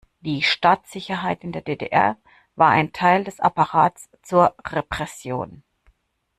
Die Staatssicherheit in der D-D-R war ein Teil des Apparats zur Repression.